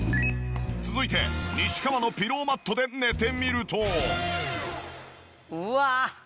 続いて西川のピローマットで寝てみると。